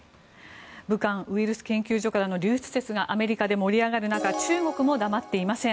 武漢ウイルス研究所からの流出説がアメリカで盛り上がる中中国も黙っていません。